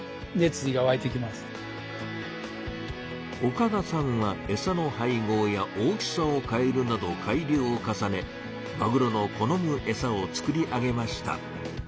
岡田さんはエサの配合や大きさを変えるなど改良を重ねマグロの好むエサを作り上げました。